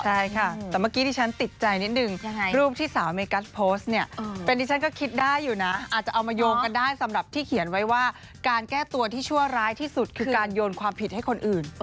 ใช่ค่ะแต่เมื่อกี้ที่ฉันติดใจนิดนึงรูปที่สาวเมกัสโพสต์เนี่ยเป็นที่ฉันก็คิดได้อยู่นะอาจจะเอามาโยงกันได้สำหรับที่เขียนไว้ว่าการแก้ตัวที่ชั่วร้ายที่สุดคือการโยนความผิดให้คนอื่น